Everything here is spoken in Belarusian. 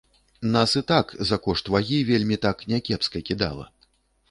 Нас і так за кошт вагі вельмі так някепска кідала.